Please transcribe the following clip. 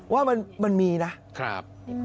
ว่ามันมีนะ